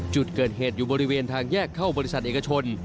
จุดเกิดเหตุอยู่บริเวณทางแยกเข้าบริษัทเอกชน